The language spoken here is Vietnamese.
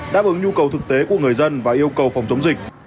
đáp ứng nhu cầu thực tế của người dân và yêu cầu phòng chống dịch